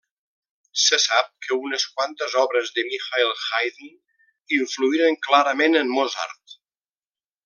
Se sap que unes quantes obres de Michael Haydn influïren clarament a Mozart.